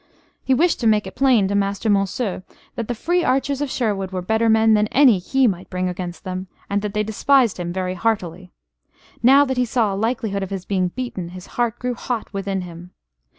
He wished to make it plain to Master Monceux that the free archers of Sherwood were better men than any he might bring against them, and that they despised him very heartily. Now that he saw a likelihood of his being beaten his heart grew hot within him.